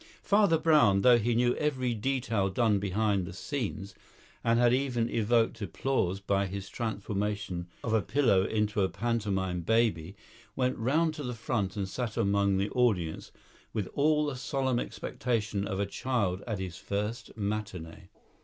Father Brown, though he knew every detail done behind the scenes, and had even evoked applause by his transformation of a pillow into a pantomime baby, went round to the front and sat among the audience with all the solemn expectation of a child at his first matinee.